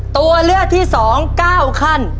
ตัวเลือกที่๒๙ขั้น